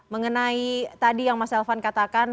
mengenai tadi yang mas elvan katakan